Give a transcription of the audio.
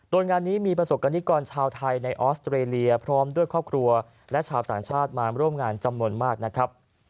โดยงานนี้มีประสบกรณิกรชาวไทยในออสเตรเลียพร้อมด้วยครอบครัวและชาวต่างชาติมาร่วมงานจำนวนมากนะครับ